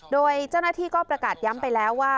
โดยเจ้าหน้าที่ก็ประกาศย้ำไปแล้วว่า